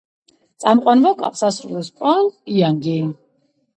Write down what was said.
წამყვან ვოკალს ასრულებს პოლ იანგი.